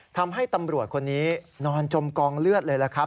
ทำให้ตำรวจคนนี้นอนจมกองเลือดเลยล่ะครับ